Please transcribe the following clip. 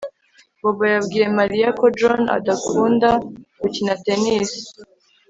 Bobo yabwiye Mariya ko John adakunda gukina tennis